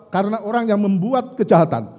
karena orang yang membuat kejahatan